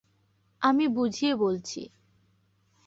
আমি বুঝিয়ে বলছি।